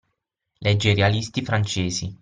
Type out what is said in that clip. Legge i realisti francesi.